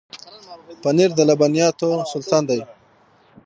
پنېر د لبنیاتو سلطان دی.